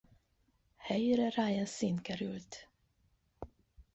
Helyére Ryan Sinn került.